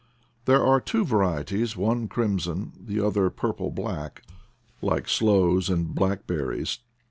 There are two varieties, one crimson, the other purple black, like sloes and blackberries.